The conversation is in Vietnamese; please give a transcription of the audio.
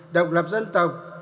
độc lập dân tộc